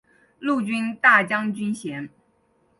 陆军大将军衔。